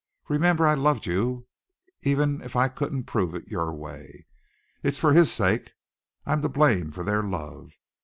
Remember I loved you, even if I couldn't prove it your way. It's for his sake. I'm to blame for their love.